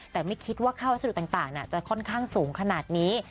แต่ไม่คิดว่าข้าววัสดุต่างจะค่อนข้างสูงขนาดนี้